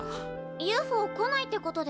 ＵＦＯ来ないってことですか？